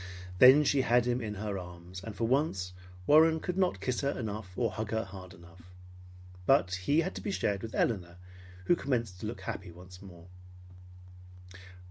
Then she had him in her arms; and for once Warren could not kiss her enough or hug her hard enough. But he had to be shared with Elinor who commenced to look happy once more.